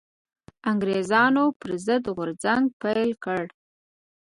انګرېزانو پر ضد غورځنګ پيل کړ